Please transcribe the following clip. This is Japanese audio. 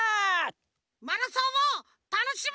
マラソンをたのしむぞ！